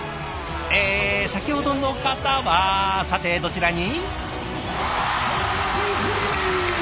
え先ほどの方はさてどちらに？